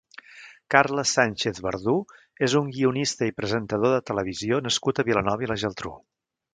Carles Sànchez Verdú és un guionista i presentador de televisió nascut a Vilanova i la Geltrú.